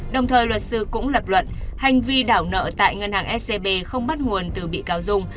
đồng thời luật sư cũng lập luận hành vi đảo nợ tại ngân hàng scb không bắt nguồn từ bị cáo dung